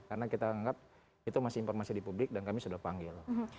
karena kita menganggap itu masih informasi di publik dan kami sudah panggil